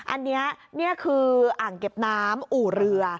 อันนี้นี่คืออ่างเก็บน้ำอู่เรือ